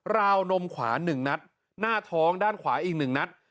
ราวนมขวาหนึ่งนัดหน้าท้องด้านขวาอีกหนึ่งนัด